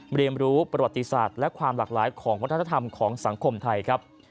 เรียนรู้ประวัติศาสตร์และความหลากหลายของวัฒนธรรมของสังคมไทยครับ